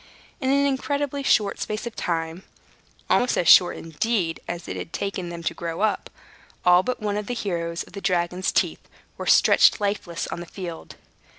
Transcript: In an incredibly short space of time (almost as short, indeed, as it had taken them to grow up), all but one of the heroes of the dragon's teeth were stretched lifeless on the field.